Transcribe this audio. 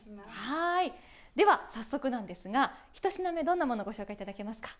では早速なんですが１品目、どんなものをご紹介いただけますか？